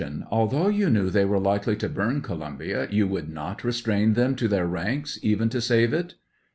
Although you knew they were likely to burn Columbia, you would not restrain them to their rankSj even to save it